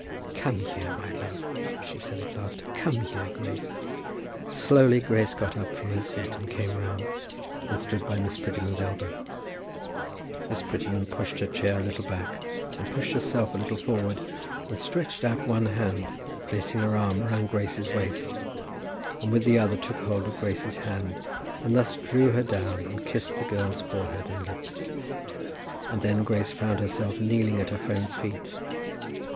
"Come here, my love," she said at last. "Come here, Grace." Slowly Grace got up from her seat and came round, and stood by Miss Prettyman's elbow. Miss Prettyman pushed her chair a little back, and pushed herself a little forward, and stretching out one hand, placed her arm round Grace's waist, and with the other took hold of Grace's hand, and thus drew her down and kissed the girl's forehead and lips. And then Grace found herself kneeling at her friend's feet.